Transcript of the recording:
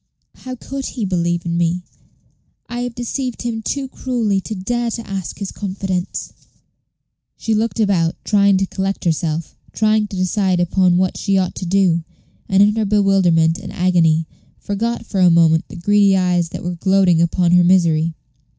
How could he believe in me? I have deceived him too cruelly to dare to ask his confidence." She looked about, trying to collect herself, trying to decide upon what she ought to do, and in her bewilderment and agony forgot for a moment the greedy eyes which were gloating upon her misery.